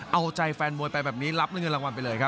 เอาใจแฟนมวยไปแบบนี้รับเงินรางวัลไปเลยครับ